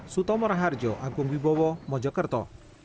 suto moraharjo agung wibowo mojokerto